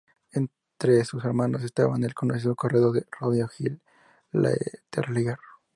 Entre sus hermanos estaba el conocido corredor de rodeo Gil Letelier.